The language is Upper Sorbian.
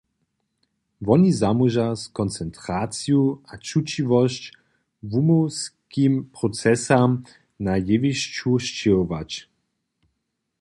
Woni zamóža z koncentraciju a čućiwosću wuměłskim procesam na jewišću sćěhować.